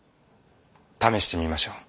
試してみましょう。